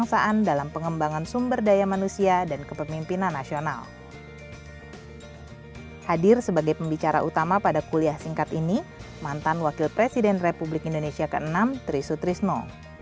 hadir sebagai pembicara utama pada kuliah singkat ini mantan wakil presiden republik indonesia ke enam tri sutrisno